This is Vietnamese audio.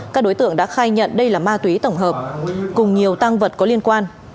các đối tượng đã khai nhận đây là ma túy tổng hợp cùng nhiều tăng vật có liên quan